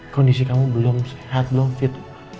kondisi kamu belum sehat belum fit